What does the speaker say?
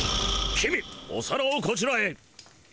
公お皿をこちらへ。